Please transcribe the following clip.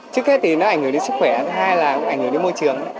trước hết thì nó ảnh hưởng đến sức khỏe thứ hai là ảnh hưởng đến môi trường